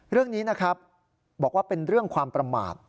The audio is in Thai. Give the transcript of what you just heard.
เรื่องนี้นะครับบอกว่าเป็นเรื่องความประมาท